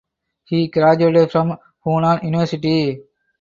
He graduated from Hunan University.